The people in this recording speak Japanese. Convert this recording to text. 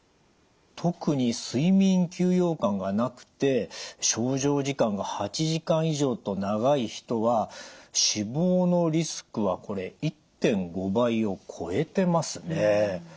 特に睡眠休養感がなくて床上時間が８時間以上と長い人は死亡のリスクはこれ１．５倍を超えてますね。